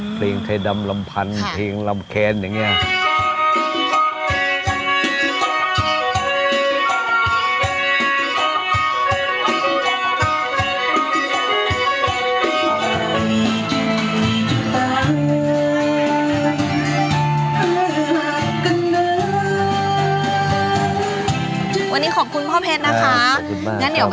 เพลงไทยดำลำพันเพลงลำแคนอย่างนี้